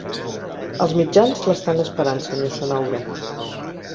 Els mitjans l'estan esperant, senyor Cenoura.